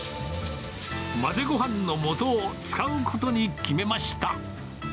混ぜごはんのもとを使うことに決めました。